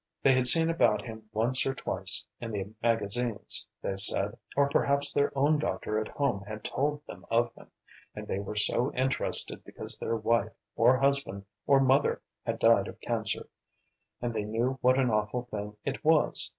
They had seen about him once or twice in the magazines, they said, or perhaps their own doctor at home had told them of him, and they were so interested because their wife or husband or mother had died of cancer, and they knew what an awful thing it was.